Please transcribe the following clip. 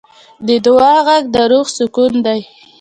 د دعا غږ د روح سکون دی.